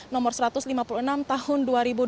nomor satu ratus lima puluh enam tahun dua ribu dua puluh